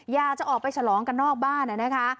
อยากจะออกไปฉลองกันนอกบ้านนะคะ